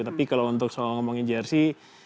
tapi kalau untuk soal ngomongin jersi